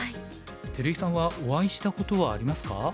照井さんはお会いしたことはありますか？